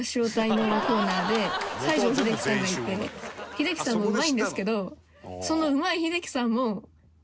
秀樹さんもうまいんですけど。